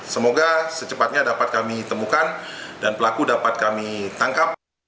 semoga secepatnya dapat kami temukan dan pelaku dapat kami tangkap